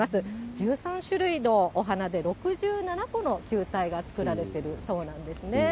１３種類のお花で、６７個の球体が作られてるそうなんですね。